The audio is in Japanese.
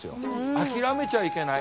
諦めちゃいけない。